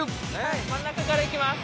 真ん中からいきます。